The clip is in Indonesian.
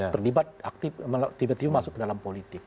terlibat aktif tiba tiba masuk ke dalam politik